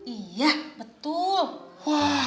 iya betul wah